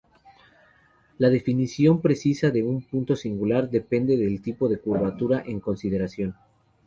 La definición precisa de un punto singular depende del tipo de curva en consideración.